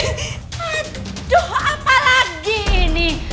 aduh apalagi ini